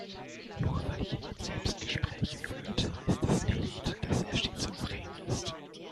Nur weil jemand Selbstgespräche führt, heißt das nicht, dass er schizophren ist.